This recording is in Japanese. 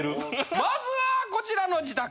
まずはこちらの自宅。